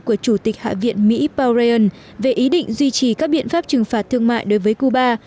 của chủ tịch hạ viện mỹ parison về ý định duy trì các biện pháp trừng phạt thương mại đối với cuba